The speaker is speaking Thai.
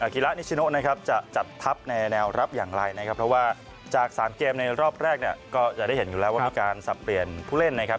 กิระนิชโนนะครับจะจัดทัพในแนวรับอย่างไรนะครับเพราะว่าจาก๓เกมในรอบแรกเนี่ยก็จะได้เห็นอยู่แล้วว่ามีการสับเปลี่ยนผู้เล่นนะครับ